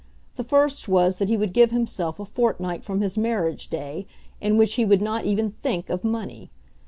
The first was that he would give himself a fortnight from his marriage day in which he would not even think of money.